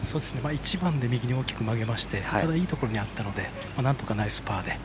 １番で右に大きく曲げましてただ、いいところにあったのでなんとかナイスパーで。